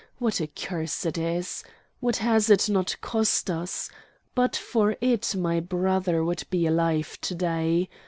What a curse it is! What has it not cost us? But for it my brother would be alive to day.